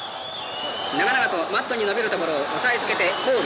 長々とマットにのびるところを押さえつけてフォール。